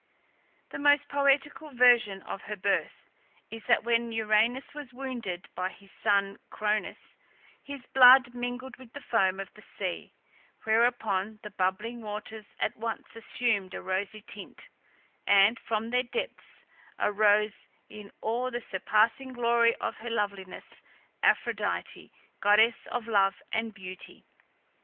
The most poetical version of her birth is that when Uranus was wounded by his son Cronus, his blood mingled with the foam of the sea, whereupon the bubbling waters at once assumed a rosy tint, and from their depths arose, in all the surpassing glory of her loveliness, Aphrodite, goddess of love and beauty!